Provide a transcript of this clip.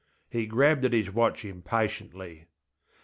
He grabbed at his thatch impatiently.